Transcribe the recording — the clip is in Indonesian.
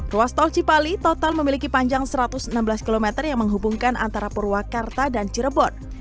ruas tol cipali total memiliki panjang satu ratus enam belas km yang menghubungkan antara purwakarta dan cirebon